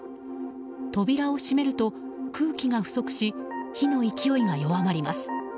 扉を閉めると空気が不足し火の勢いが弱まります。